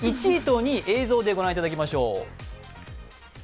１位と２位を映像でご覧いただきましょう。